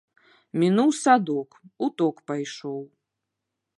Мінуў садок, у ток пайшоў.